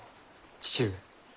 父上。